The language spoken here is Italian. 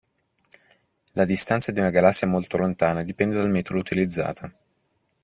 La "distanza" di una galassia molto lontana dipende dal metodo utilizzato.